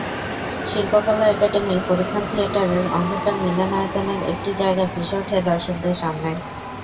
শিল্পকলা একাডেমির পরীক্ষণ থিয়েটারের অন্ধকার মিলনায়তনের একটি জায়গা ভেসে ওঠে দর্শকের সামনে।